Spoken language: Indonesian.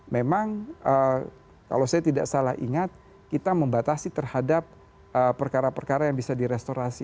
memang kalau saya tidak salah ingat kita membatasi terhadap perkara perkara yang bisa direstorasi